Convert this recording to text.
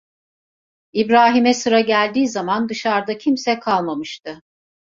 İbrahim'e sıra geldiği zaman dışarda kimse kalmamıştı.